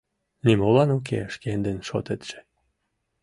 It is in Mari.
Нимолан уке шкендын шотетше